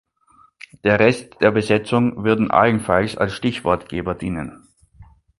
Der Rest der Besetzung würden allenfalls als Stichwortgeber dienen.